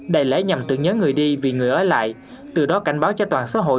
đại lễ nhằm tưởng nhớ người đi vì người ở lại từ đó cảnh báo cho toàn xã hội